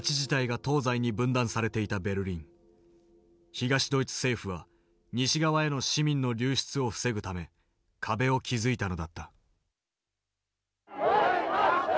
東ドイツ政府は西側への市民の流出を防ぐため壁を築いたのだった。